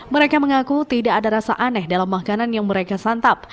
mereka mengaku tidak ada rasa aneh dalam makanan yang mereka santap